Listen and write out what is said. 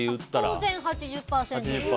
当然８０％。